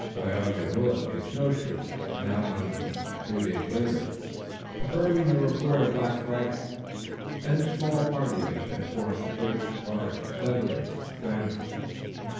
Tayoga and Willet made snow shoes and went out on them a few days later, confirming the report of Black Rifle. Then small parties were sent forth to search the forest for settlers and their families.